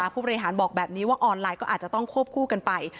ผู้บริหารบอกแบบนี้ว่าออนไลน์ก็อาจจะต้องควบคู่กันไป